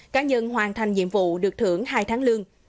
cá nhân hoàn thành nhiệm vụ được thưởng hai tháng lương